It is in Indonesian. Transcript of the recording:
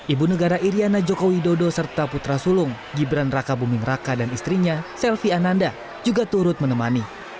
ibu negara iryana joko widodo serta putra sulung gibran raka buming raka dan istrinya selvi ananda juga turut menemani